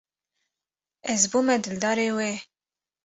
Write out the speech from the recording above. Ez bûme dildarê wê.